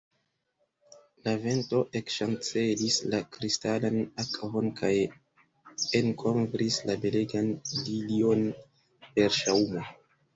La vento ekŝancelis la kristalan akvon kaj enkovris la belegan lilion per ŝaŭmo.